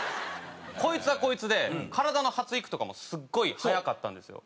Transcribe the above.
こいつはこいつで体の発育とかもすごい早かったんですよ。